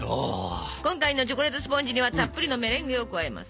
今回のチョコレートスポンジにはたっぷりのメレンゲを加えます。